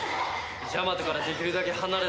ジャマトからできるだけ離れろ。